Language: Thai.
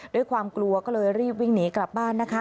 ด้วยความกลัวก็เลยรีบวิ่งหนีกลับบ้านนะคะ